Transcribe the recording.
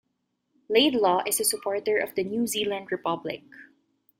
Laidlaw is a supporter of a New Zealand republic.